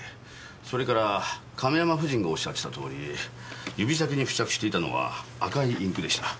それから亀山夫人がおっしゃってたとおり指先に付着していたのは赤いインクでした。